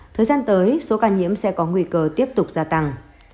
thời gian tới số ca nhiễm sẽ có nguy cơ tiếp tục gia tăng